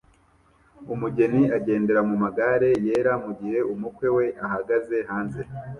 Umugeni agendera mumagare yera mugihe umukwe we ahagaze hanze